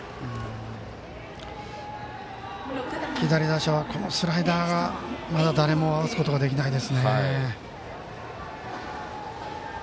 左打者は、このスライダーまだ誰も合わすことができないですね。